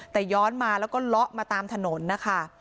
แต่ย้อนมาแล้วก็เลาะมาตามถนนนะคะ